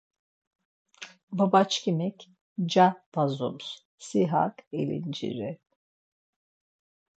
Baba şǩimik nca p̌azums. Si hak elinciri.